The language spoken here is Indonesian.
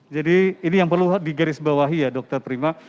jadi ini yang perlu digarisbawahi ya dokter prima